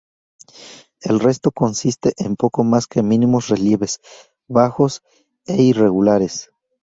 El resto consiste en poco más que mínimos relieves bajos e irregulares.